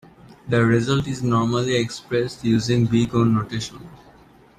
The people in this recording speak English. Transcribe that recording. The result is normally expressed using Big O notation.